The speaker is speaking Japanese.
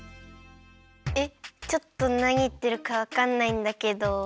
えっちょっとなにいってるかわかんないんだけど。